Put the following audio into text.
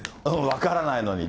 分からないのに。